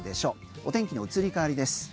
お天気の移り変わりです。